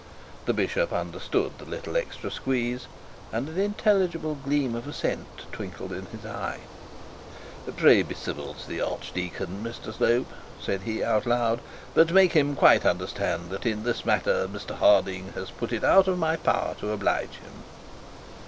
The bishop understood the little extra squeeze, and an intelligible gleam of assent twinkled in his eye. 'Pray be civil to the archdeacon, Mr Slope,' said he out loud; 'but make him quite understand that in this matter Mr Harding has put it out of my power to oblige him.'